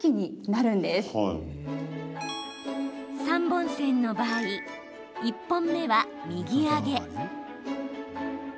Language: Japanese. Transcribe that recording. ３本線の場合、１本目は右上げ。